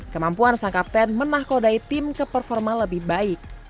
kemampuan sang kapten menakodai tim ke performa lebih baik